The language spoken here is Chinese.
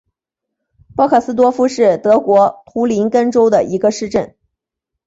波克斯多夫是德国图林根州的一个市镇。